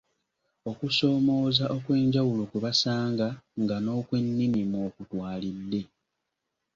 Okusomoooza okw’enjawulo kwe basanga nga n’okwennimi mw’okutwalidde.